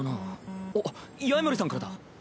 あっ八重森さんからだ。